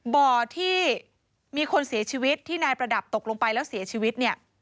บ่อที่มีคนเสียชีวิตที่นายประดับตกลงไปแล้วเสียชีวิตเนี่ย